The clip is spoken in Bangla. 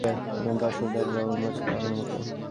অতঃপর তাঁর কাছে একটি চতুষ্পদ জন্তু আসল যার রঙ ছিল আগুনের মতো।